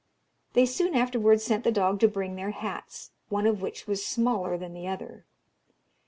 They soon afterwards sent the dog to bring their hats, one of which was smaller than the other.